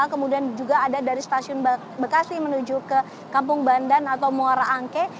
kemudian juga ada dari stasiun bekasi menuju ke kampung bandan atau muara angke